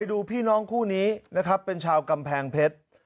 ดูพี่น้องคู่นี้นะครับเป็นชาวกำแพงเพชร